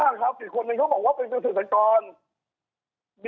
คุณบอกว่าคุณจะช่วย